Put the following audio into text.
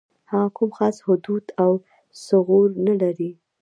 هغه کوم خاص حدود او ثغور نه لري.